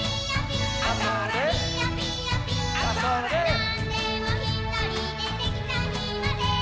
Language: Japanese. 「なんでもひとりでできちゃうひまで」